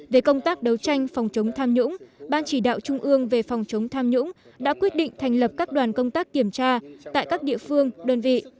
về công tác đấu tranh phòng chống tham nhũng ban chỉ đạo trung ương về phòng chống tham nhũng đã quyết định thành lập các đoàn công tác kiểm tra tại các địa phương đơn vị